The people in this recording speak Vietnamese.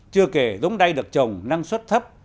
chưa kể giống đay được trồng năng suất thấp